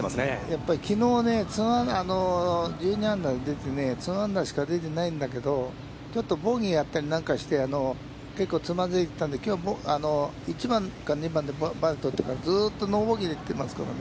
やっぱりきのう２アンダー２アンダーしか出てないんだけど、ちょっとボギーやったりなんかして、結構つまずいたんで、きょうは１番か２番でずうっとノーボギーで来てますから。